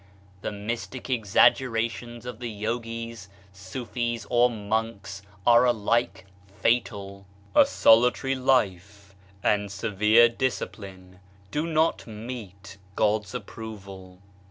The mystic exaggerations of the yoghis, sufis, or monks are alike fatal. " A solitary life and severe discipline do not meet (God's) approval.